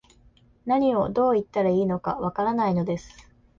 何を、どう言ったらいいのか、わからないのです